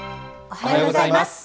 おはようございます。